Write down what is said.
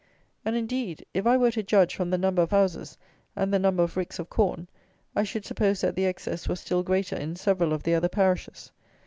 And indeed if I were to judge from the number of houses and the number of ricks of corn, I should suppose that the excess was still greater in several of the other parishes.